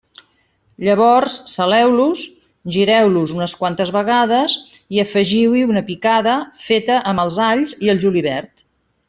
Llavors saleu-los, gireu-los unes quantes vegades i afegiu-hi una picada feta amb els alls i el julivert.